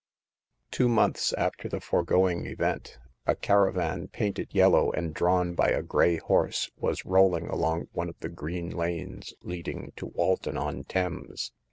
Two months after the foregoing event, a cara van, painted yellow and drawn by a gray horse, was rolling along one of the green lanes leading to Walton on Thames.